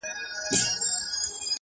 • اوس ماشومان له تاریخونو سره لوبي کوي,